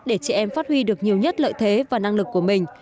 để chị em phát huy được nhiều nhất lợi thế và năng lực của mình